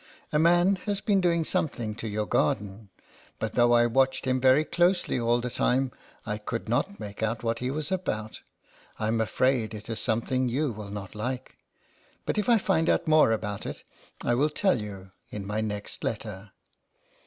A man has been doing something to your garden, but though I watched him very closely all the time, I could not make out what he was about. I am afraid it is something you will not like ; but if I find out more about it, I will tell you in my next letter.